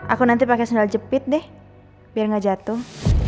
aku nanti pake sandal jepit deh biar nggak jatuh